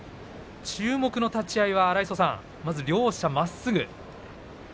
注目の立ち合いは荒磯さん、まず両者まっすぐ。